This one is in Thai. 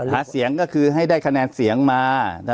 หาเสียงก็คือให้ได้คะแนนเสียงมา